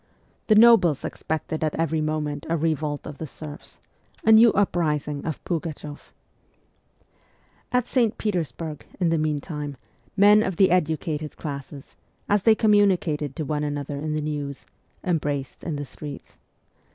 The nobles expected at every moment a revolt of the serfs a new uprising of Pugachoff. At St. Petersburg, in the meantime, men of the educated classes, as they communicated to one another the news, embraced in the streets.